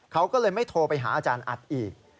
เขาก็เลยไม่โทรไปหาอาจารย์อัดอีก